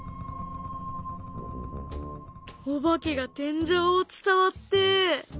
お化けが天井を伝わって。